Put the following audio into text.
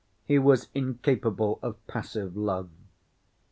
He was incapable of passive love.